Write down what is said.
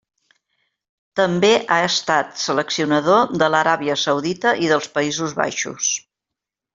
També ha estat seleccionador de l'Aràbia Saudita i dels Països Baixos.